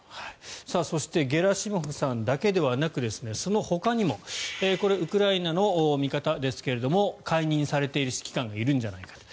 そしてゲラシモフさんだけではなくそのほかにもこれはウクライナの見方ですが解任されている指揮官がいるんじゃないかと。